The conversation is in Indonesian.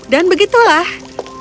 dan begitulah takdirku sudah ditentukan